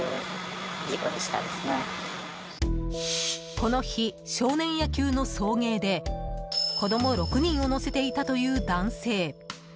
この日、少年野球の送迎で子供６人を乗せていたという男性。